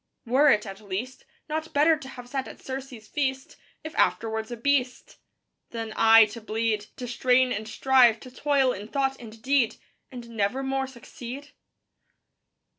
Were it, at least; Not better to have sat at Circe's feast, If afterwards a beast? Than aye to bleed, To strain and strive, to toil in thought and deed, And nevermore succeed?